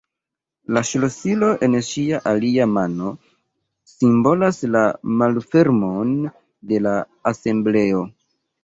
La ŝlosilo en ŝia alia mano simbolas la malfermon de la Asembleo.